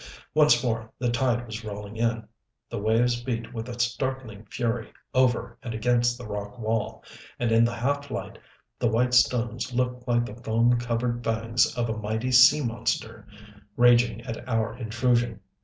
Once more the tide was rolling in. The waves beat with a startling fury over and against the rock wall, and in the half light the white stones looked like the foam covered fangs of a mighty sea monster, raging at our intrusion.